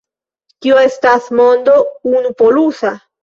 Kio estas mondo unupolusa?